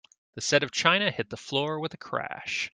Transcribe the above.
The set of china hit the floor with a crash.